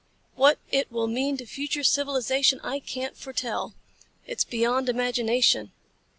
What it will mean to future civilization I can't foretell. It's beyond imagination."